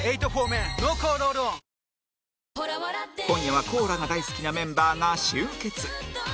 今夜はコーラが大好きなメンバーが集結